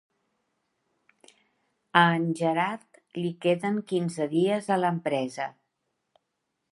A en Gerard li queden quinze dies a l'empresa